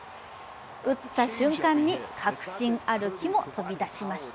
打った瞬間に確信歩きも飛び出しました。